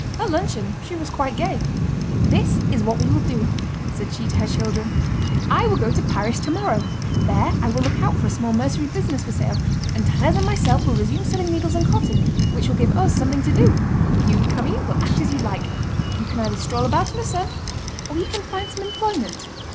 At luncheon she was quite gay. "This is what we will do," said she to her children. "I will go to Paris to morrow. There I will look out for a small mercery business for sale, and Thérèse and myself will resume selling needles and cotton, which will give us something to do. You, Camille, will act as you like. You can either stroll about in the sun, or you can find some employment."